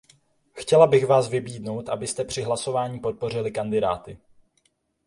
Chtěla bych vás vybídnout, abyste při hlasování podpořili kandidáty.